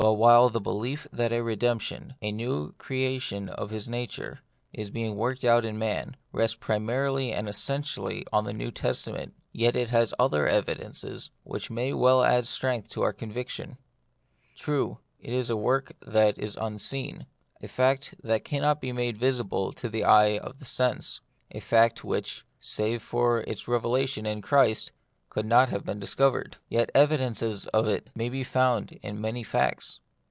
But while the belief that a redemption, a new creation of his nature, is being worked out in man, rests primarily and essentially on 64 The Mystery of Pain, the New Testament, yet it has other evidences which may well add strength to our convic tion. True, it is a work that is unseen, a fact that cannot be made visible to the eye of sense, a fact which, save for its revelation in Christ, could not have been discovered. Yet evidences of it may be found in many facts.